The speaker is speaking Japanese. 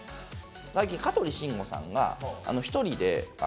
最近香取慎吾さんが一人で。